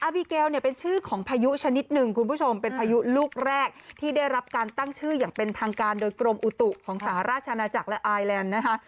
บีเกลเนี่ยเป็นชื่อของพายุชนิดหนึ่งคุณผู้ชมเป็นพายุลูกแรกที่ได้รับการตั้งชื่ออย่างเป็นทางการโดยกรมอุตุของสหราชนาจักรและไอแลนด์นะคะ